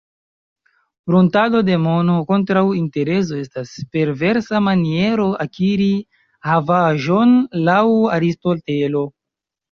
Pruntado de mono kontraŭ interezo estas perversa maniero akiri havaĵon, laŭ Aristotelo.